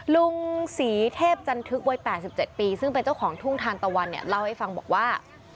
ลุงศรีเทพจันทึกวัย๘๗ปีซึ่งเป็นเจ้าของทุ่งทานตะวันเนี่ยเล่าให้ฟังบอกว่า